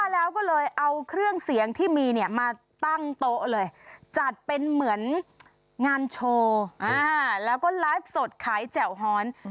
แล้วก็ไลฟ์สดขายแจ่วหอน